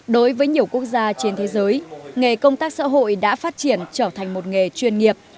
đối với nhiều quốc gia trên thế giới nghề công tác xã hội đã phát triển trở thành một nghề chuyên nghiệp